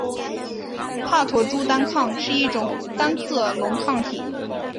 帕妥珠单抗是一种单克隆抗体。